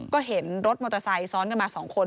ก็เห็นรถมอเตอร์ไซค์ซ้อนกันมา๒คน